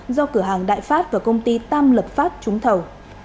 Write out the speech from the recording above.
do cửa hàng đại pháp và công ty tam lập pháp trúng thầu